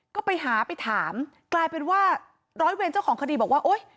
ก็ไปหาไปถามกลายเป็นว่าร้อยเวรเจ้าของคดีบอกว่าโอ๊ย